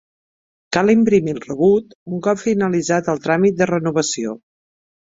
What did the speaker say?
Cal imprimir el rebut un cop finalitzat el tràmit de renovació.